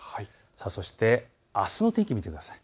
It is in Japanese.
そしてあすの天気を見てください。